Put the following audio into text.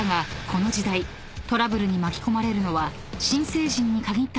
この時代トラブルに巻き込まれるのは］